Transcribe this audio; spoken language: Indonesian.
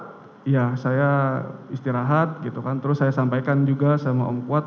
setelah saya istirahat terus saya sampaikan juga sama om kuat